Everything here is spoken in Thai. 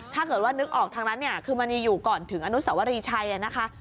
ถ้าเกิดว่านึกออกทางนั้นเนี่ยคือมันยังอยู่ก่อนถึงอนุสวรีชัยนะคะ